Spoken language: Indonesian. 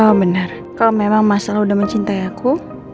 pa benar kalau memang masalah udah mencintai aku